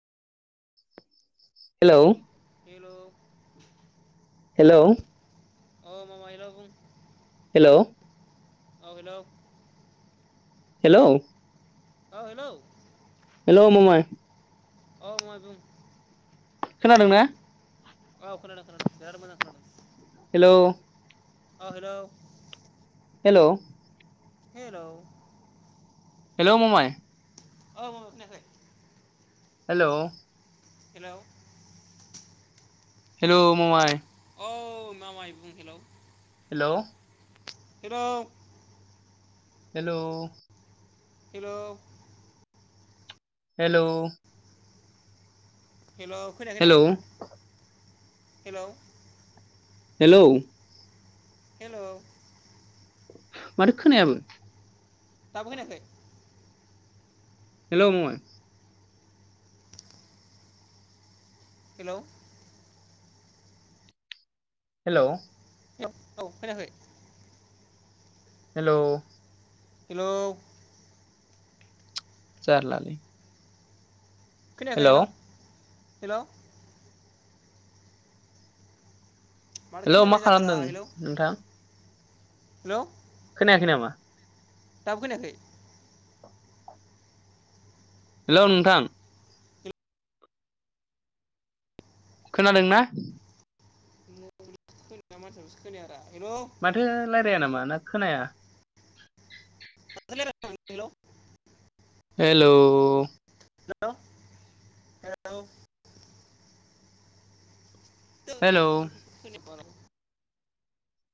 हेल' हेल' औ मामाइ हेल' बुं हेल' औ हेल' हेल' औ हेल' हेल' मामाइ औ मामाइ बुंं खोनादोंना औ खोनादों खोनादों बेराद मोजां खोनादों हेल' औ हेल' हेल' हेल' हेल' मामाइ औ मामाइ खोनायाखै? हेल' हेल' हेल' मामाइ औ मामाइ बुं हेल' हेल' हेल' हेल' हेल' हेल' हेल' खोनायाखै हेलौ नामा? हेल' हेल' हेल' माथो खोनायाबो दाबो खोनायाखै हेल' फंबाय हेल' हेल' औ औ खोनायाखै हेल' हेलौ जारला लै खोनायाखै हेल' हेल' हेल' मा खालामदों नोंथां? हेल' खोनायाखै नामा? दाबो खोनायाखै हेल' नोंथां खोनादों ना नोंथांनि माथोखौसो खोनाया माथो रायज्लाया नामा ना खोनाया खोनायाखै हेलौ हेल' हेलौ हेल' हेल'